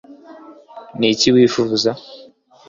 niki wifuza